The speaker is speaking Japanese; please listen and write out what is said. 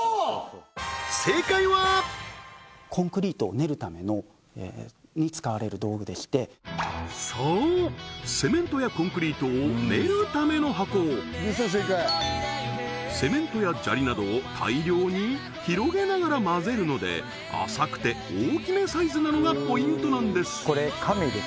コンクリートを練るために使われる道具でしてそうセメントやコンクリートを練るための箱セメントや砂利などを大量に広げながら混ぜるので浅くて大きめサイズなのがポイントなんです